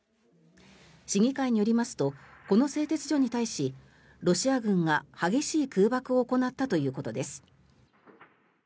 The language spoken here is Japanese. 市議会によりますとこの製鉄所に対しロシア軍が激しい空爆を行ったということです。